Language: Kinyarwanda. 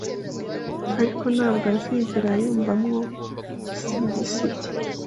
ariko ntabwo azigera yumvamo igisigisigi